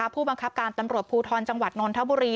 ผู้บังคับการตำรวจภูทรจังหวัดนนทบุรี